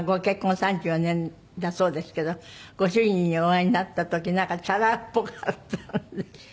３４年だそうですけどご主人にお会いになった時チャラっぽかったんですって？